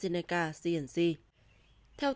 theo tổng kết của chương trình